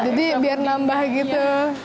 jadi biar nambah gitu